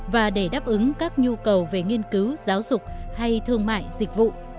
và để đáp ứng các nhu cầu về nghiên cứu giáo dục hay thương mại dịch vụ